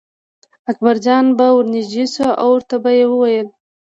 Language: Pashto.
اکبرجان به ور نږدې شو او ورته به یې ویل.